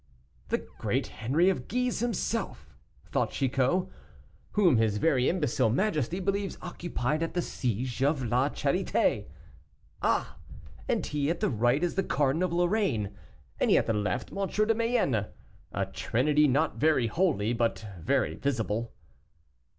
"The great Henri of Guise himself!" thought Chicot, "whom his very imbecile majesty believes occupied at the siege of La Charité. Ah! and he at the right is the Cardinal of Lorraine, and he at the left M. de Mayenne a trinity not very holy, but very visible."